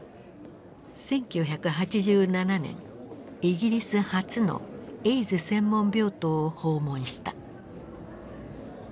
１９８７年イギリス初のエイズ専門病棟を訪問した。